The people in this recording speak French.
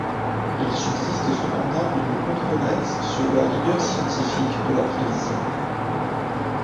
Il subsiste cependant une controverse sur la rigueur scientifique de la prévision.